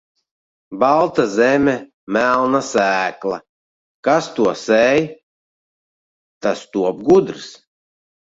Balta zeme, melna sēkla, kas to sēj, tas top gudrs.